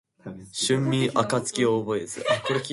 春眠暁を覚えず